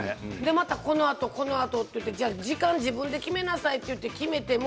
またこのあとこんなこと言って時間は自分で決めなさいと言って決めても